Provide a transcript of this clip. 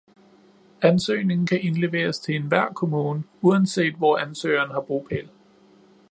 Ansøgningen kan indleveres til enhver kommune, uanset hvor ansøgeren har bopæl